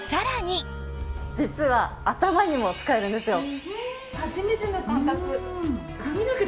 実は頭にも使えるんですよ。